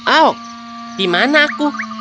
oh di mana aku